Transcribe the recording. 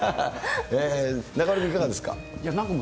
中丸君、いかがですか。